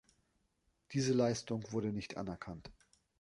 Diese Leistung wurde nicht anerkannt.